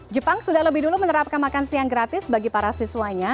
jepang sudah lebih dulu menerapkan makan siang gratis bagi para siswanya